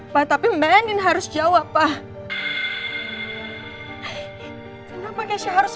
pak tapi mbak anin harus jawab pak